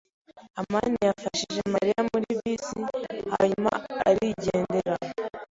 amani yafashije Mariya muri bisi, hanyuma arigendera.